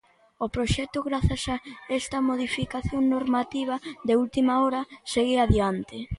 O proxecto, grazas a esta modificación normativa de última hora, segue adiante.